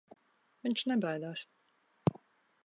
Viņš nebaidās.